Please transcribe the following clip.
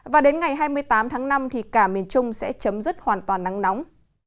và đến ngày hai mươi tám tháng năm thì cả miền trung sẽ chấm dứt hoàn toàn nắng nóng